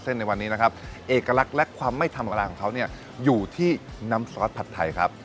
สวัสดีครับสวัสดีครับคุณพูดนะครับ